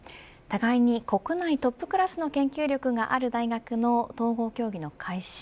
互いに、国内トップクラスの研究力がある大学の統合協議の開始。